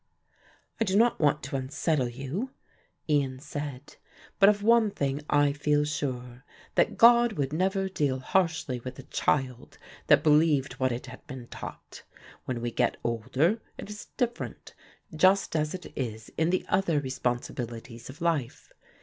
"I do not want to unsettle you," Ian said; "but of one thing I feel sure, that God would never deal harshly with a child that believed what it had been taught. When we get older it is different, just as it is in the other responsibilities of life.